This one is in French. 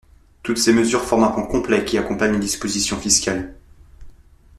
Toutes ces mesures forment un plan complet qui accompagne les dispositions fiscales.